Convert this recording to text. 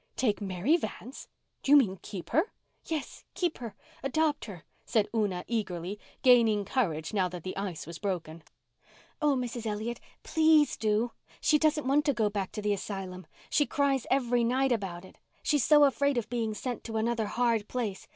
Take Mary Vance! Do you mean keep her?" "Yes—keep her—adopt her," said Una eagerly, gaining courage now that the ice was broken. "Oh, Mrs. Elliott, please do. She doesn't want to go back to the asylum—she cries every night about it. She's so afraid of being sent to another hard place.